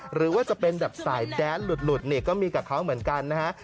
หรือว่าจะเป็นแบบสายแดนหลุดนี่ก็มีกับเขาเหมือนกันนะฮะ